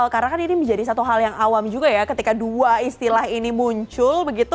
karena kan ini menjadi satu hal yang awam juga ya ketika dua istilah ini muncul